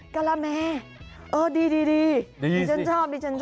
กาละแมรอ้อดีดิฉันชอบ